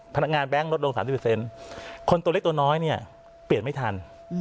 แบงค์ลดลง๓๐คนตัวเล็กตัวน้อยเนี่ยเปลี่ยนไม่ทัน